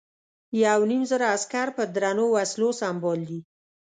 یو نیم زره عسکر په درنو وسلو سمبال دي.